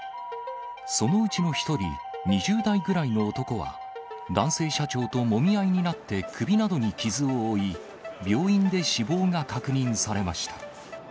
そのうちの１人、２０代ぐらいの男は、男性社長ともみあいになって、首などに傷を負い、病院で死亡が確認されました。